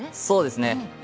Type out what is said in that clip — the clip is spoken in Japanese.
そうですね。